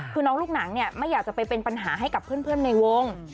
คือน้องลูกหนังเนี่ยไม่อยากจะไปเป็นปัญหาให้กับเพื่อนในวง